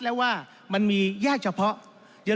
ท่านประธานก็เป็นสอสอมาหลายสมัย